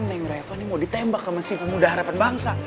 neng refani mau ditembak sama si pemuda harapan bangsa